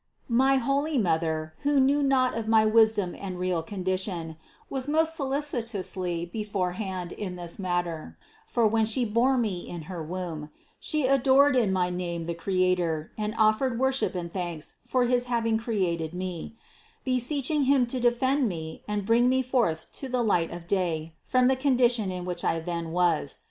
My holy mother, who knew not of my wisdom and real condition, was most solicitously before hand in this matter, for when She bore me in her womb, she adored in my name the Creator and offered worship and thanks for his having created me, beseeching Him to defend me and bring me forth to the light of day from the condition in which I then was.